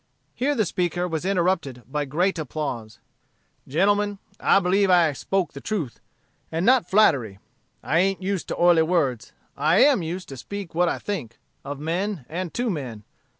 Here the speaker was interrupted by great applause. "Gentlemen, I believe I have spoke the truth, and not flattery; I ain't used to oily words; I am used to speak what I think, of men, and to men.